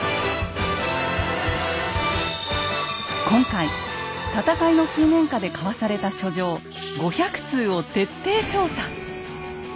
今回戦いの水面下で交わされた書状５００通を徹底調査。